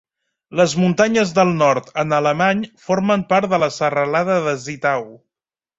Les muntanyes del Nord, en alemany, formen part de la serralada de Zittau.